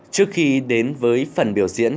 trước khi đến với phần biểu diễn